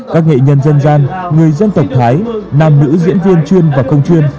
các nghệ nhân dân gian người dân tộc thái nàm nữ diễn viên chuyên và không chuyên